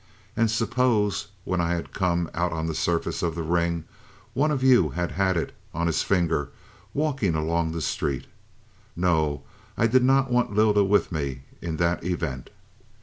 And suppose, when I had come out on to the surface of the ring, one of you had had it on his finger walking along the street? No, I did not want Lylda with me in that event.